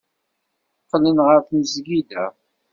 Qqlen ɣer tmesgida.